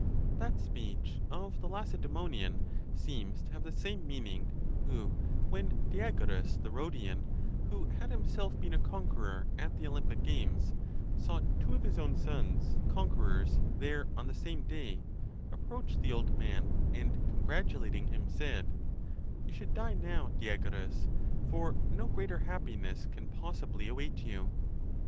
That speech of the Lacedzemonian seems to have the same meaning, who, when Diagoras the Rhodian, who had himself been a conqueror at the Olympic games, saw two of his own sons conquerors there on the same day, approached the old man, and, congratulating him, said, " You should die now; Diagoras, for no greater happiness can possibly await you."